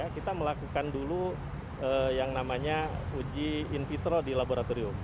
kita melakukan dulu yang namanya uji in vitro di laboratorium